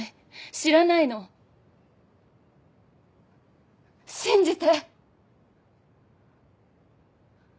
知らないの。信じて！